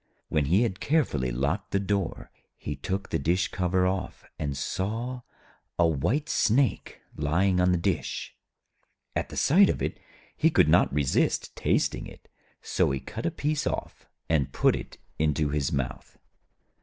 When he had carefully locked the door, he took the dish cover off, and saw a White Snake lying on the dish. At the sight of it, he could not resist tasting it; so he cut a piece off, and put it into his mouth.